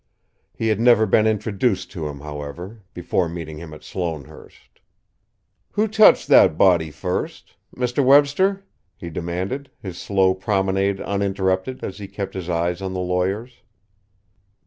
He had never been introduced to him, however, before meeting him at Sloanehurst. "Who touched that body first Mr. Webster?" he demanded, his slow promenade uninterrupted as he kept his eyes on the lawyer's.